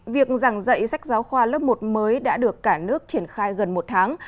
việc giảng dạy sách giáo khoa lớp một mới đã được cả nước triển khai gần một tháng